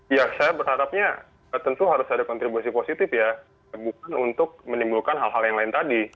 ya saya berharapnya tentu harus ada kontribusi positif ya bukan untuk menimbulkan hal hal yang lain tadi